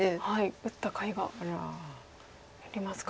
打ったかいがありますか。